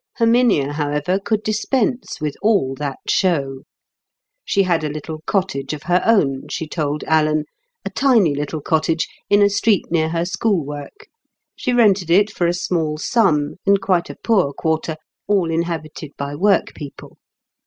Herminia, however, could dispense with all that show. She had a little cottage of her own, she told Alan—a tiny little cottage, in a street near her school work; she rented it for a small sum, in quite a poor quarter, all inhabited by work people.